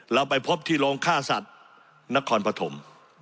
แล้วไปพบที่โรงค่าศัตริย์นครพฐม